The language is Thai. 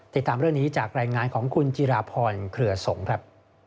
ติดตามเรื่องนี้จากรายงานของคุณจิราพรเครือสงฆ์ครับ